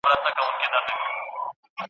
نه روپۍ به له جېبو څخه ورکیږي !.